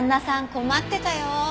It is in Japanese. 困ってたよ。